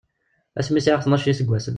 Asmi i sɛiɣ tnac n yiseggasen.